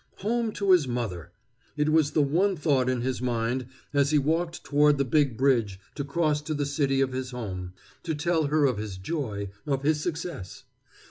Home to his mother! It was the one thought in his mind as he walked toward the big bridge to cross to the city of his home to tell her of his joy, of his success.